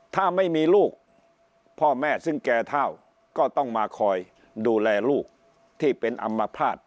ถ้าไม่มีลูกพ่อแม่ซึ่งแก่เท่าก็ต้องมาคอยดูแลลูกที่เป็นอำมภาษณ์